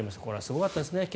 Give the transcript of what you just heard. これはすごかったですね